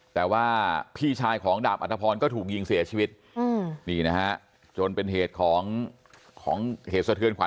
แต่ว่าพี่ชายของดาบอัตภพรก็ถูกยิงเสียชีวิตนี่นะฮะจนเป็นเหตุของเหตุสะเทือนขวั